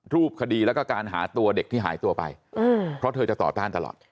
รูปคดีแล้วก็การหาตัวเด็กที่หายตัวไปเพราะเธอจะต่อต้านตลอด